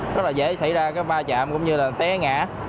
rất là dễ xảy ra cái va chạm cũng như là té ngã